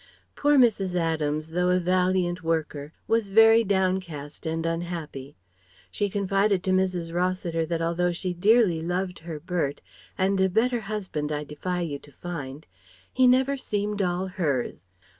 Poor Mrs. Adams, though a valiant worker, was very downcast and unhappy. She confided to Mrs. Rossiter that although she dearly loved her Bert "and a better husband I defy you to find" he never seemed all hers.